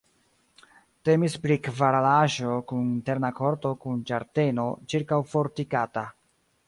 Temis pri kvaralaĵo kun interna korto kun ĝardeno ĉirkaŭfortikata.